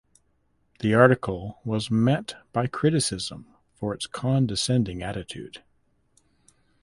The article was met by criticism for its condescending attitude.